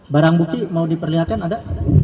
barang bukti mau diperlihatkan ada